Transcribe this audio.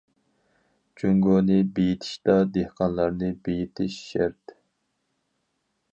جۇڭگونى بېيىتىشتا، دېھقانلارنى بېيىتىش شەرت.